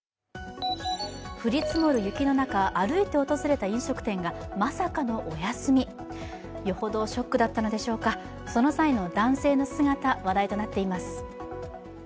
降り積もる雪の中歩いて訪れた飲食店がまさかのお休み、よほどショックだったのでしょうか、その際の男性の姿、話題となっています。